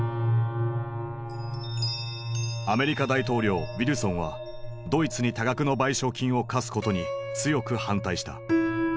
アメリカ大統領ウィルソンはドイツに多額の賠償金を科すことに強く反対した。